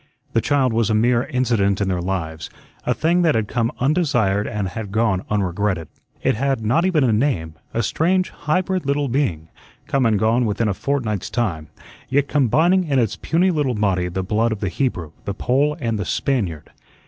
The child was a mere incident in their lives, a thing that had come undesired and had gone unregretted. It had not even a name; a strange, hybrid little being, come and gone within a fortnight's time, yet combining in its puny little body the blood of the Hebrew, the Pole, and the Spaniard.